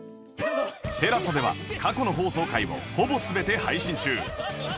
ＴＥＬＡＳＡ では過去の放送回をほぼ全て配信中